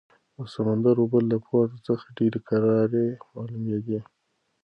د سمندر اوبه له پورته څخه ډېرې کرارې معلومېدې.